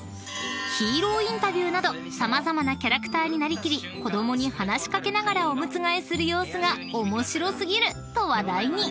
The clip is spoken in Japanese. ［ヒーローインタビューなど様々なキャラクターに成り切り子供に話し掛けながらおむつ替えする様子が面白過ぎると話題に］